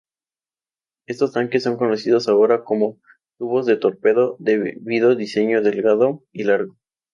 Estos tanques son conocidos ahora como "tubos de torpedo" debido diseño delgado y largo.